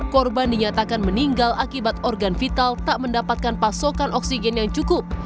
korban dinyatakan meninggal akibat organ vital tak mendapatkan pasokan oksigen yang cukup